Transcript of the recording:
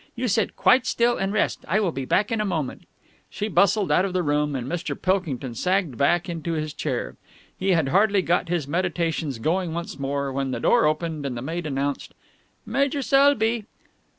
You sit quite still and rest. I will be back in a moment." She bustled out of the room, and Mr. Pilkington sagged back into his chair. He had hardly got his meditations going once more, when the door opened and the maid announced "Major Selby."